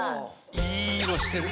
いい色してる。